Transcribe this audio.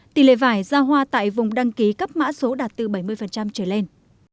tỷ lệ vải ra hoa tại vùng đăng ký cấp mã số đạt từ bảy mươi trở lên